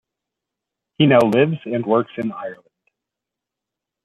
He now lives and works in Ireland.